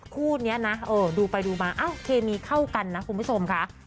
คู่นี้นะดูไปดูมาเอ้าเคมีเข้ากันนะคุณผู้ชมค่ะ